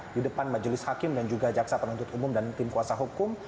di depan majelis hakim dan juga jaksa penuntut umum dan tim kuasa hukum